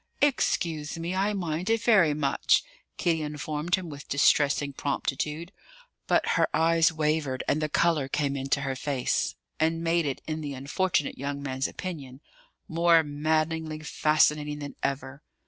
"Excuse me; I mind it very much," Kitty informed him with distressing promptitude; but her eyes wavered and the colour came into her face and made it, in the unfortunate young man's opinion, more maddeningly fascinating than ever.